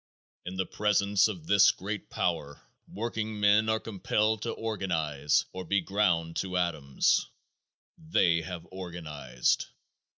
In the presence of this great power, workingmen are compelled to organize or be ground to atoms. They have organized.